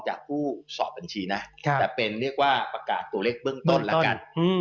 จากผู้สอบบัญชีนะแต่เป็นเรียกว่าประกาศตัวเลขเบื้องต้นแล้วกัน